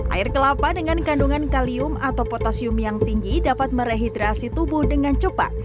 air kelapa dengan kandungan kalium atau potasium yang tinggi dapat merehidrasi tubuh dengan cepat